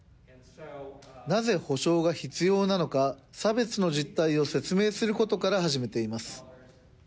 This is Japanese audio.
なぜ補償が必要なのか、差別の実態を説明することから始めています。